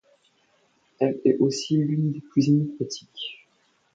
Elle est aussi l'une des plus énigmatiques.